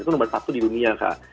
itu nomor satu di dunia kak